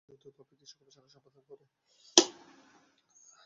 দুই দেশের যৌথভাবে কৃষি গবেষণা সম্পাদন করে।